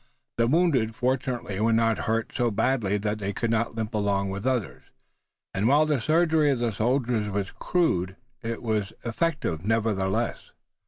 The wounded fortunately were not hurt so badly that they could not limp along with the others, and, while the surgery of the soldiers was rude, it was effective nevertheless.